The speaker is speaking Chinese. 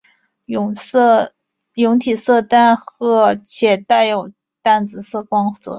蛹体色淡褐且带有淡紫色光泽。